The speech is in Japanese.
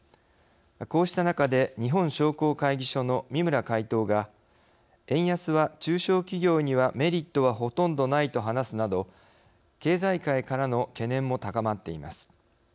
こうした中で日本商工会議所の三村会頭が円安は中小企業にはメリットは、ほとんどないと話すなど経済界からの懸念も高まっています。